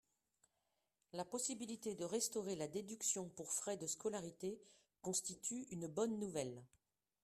La possibilité de restaurer la déduction pour frais de scolarité constitue une bonne nouvelle.